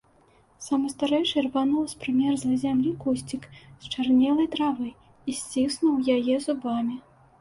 Самы старэйшы рвануў з прымерзлай зямлі кусцік счарнелай травы і сціснуў яе зубамі.